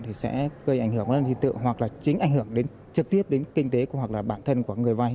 thì sẽ gây ảnh hưởng đến tín dụng hoặc chính ảnh hưởng trực tiếp đến kinh tế hoặc bản thân của người vay